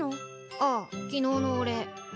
ああ昨日のお礼。